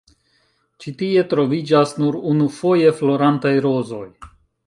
Ĉi tie troviĝas nur unufoje florantaj rozoj.